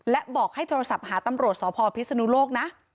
และบอกให้โทรศัพท์หาตำรวจสพพิศนุโลกนะ